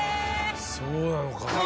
そうなのか。